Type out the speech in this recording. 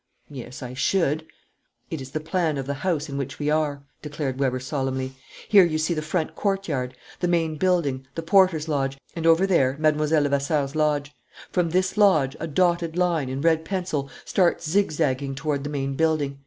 "Yes, I should." "It is the plan of the house in which we are," declared Weber solemnly. "Here you see the front courtyard, the main building, the porter's lodge, and, over there, Mlle. Levasseur's lodge. From this lodge, a dotted line, in red pencil, starts zigzagging toward the main building.